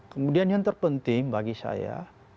kemudian yang terpenting bagi saya